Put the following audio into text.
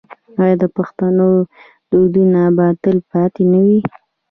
آیا د پښتنو دودونه به تل پاتې نه وي؟